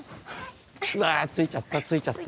うわ着いちゃった着いちゃった。